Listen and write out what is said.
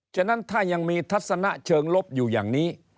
ฉะนั้นถ้ายังมีทัศนะเชิงลบอยู่อย่างนี้